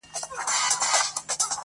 ما يې توبه د کور ومخته په کوڅه کي وکړه.